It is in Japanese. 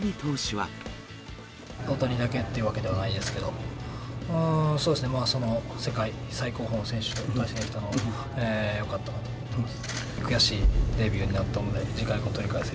まあ大谷だけというわけではないですけど、そうですね、世界最高峰の選手と対戦したのは、よかったかなと思っています。